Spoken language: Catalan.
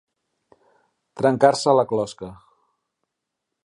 Trencar-se la closca.